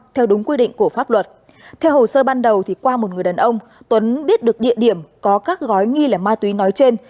theo hồ sơ ban đầu qua một người đàn ông tuấn biết được địa điểm có các gói nghi là ma túy nói trên